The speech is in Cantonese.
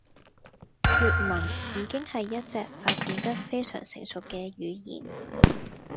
粵文已經係一隻發展得非常成熟嘅語言